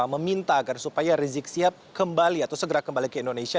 meminta agar supaya rizik sihab kembali atau segera kembali ke indonesia